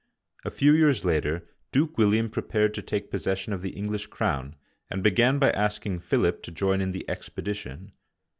A few years later Duke William prepared to take possession of the English crown, and began by asking Philip to join in the expedition.